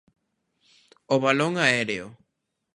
O balón aéreo.